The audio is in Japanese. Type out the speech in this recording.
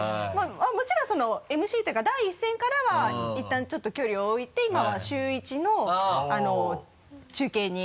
もちろんＭＣというか第一線からはいったんちょっと距離を置いて今は週１の中継に。